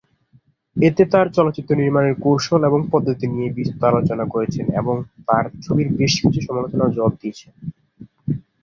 এতে তার চলচ্চিত্র নির্মাণের কৌশল এবং পদ্ধতি নিয়ে বিস্তর আলোচনা করেছেন এবং তার ছবির বেশ কিছু সমালোচনার জবাব দিয়েছেন।